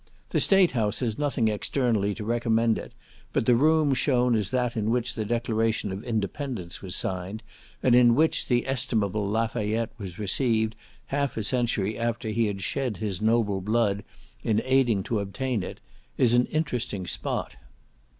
The State House has nothing externally to recommend it, but the room shown as that in which the declaration of independence was signed, and in which the estimable Lafayette was received half a century after he had shed his noble blood in aiding to obtain it, is an interesting spot.